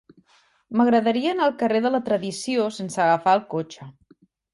M'agradaria anar al carrer de la Tradició sense agafar el cotxe.